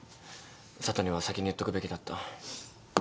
佐都には先に言っとくべきだった。